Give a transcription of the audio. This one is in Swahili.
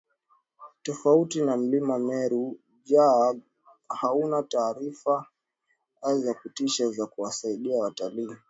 Tofauti na Mlima Meru Jaeger hauna taarifa za kutosha za kuwasaidia watalii